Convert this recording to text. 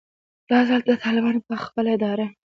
دا ځل د طالبانو خپله اداره